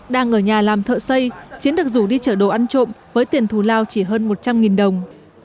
đang ở nhà làm thợ xây chiến được rủ đi chở đồ ăn trộm với tiền thù lao chỉ hơn một trăm linh đồng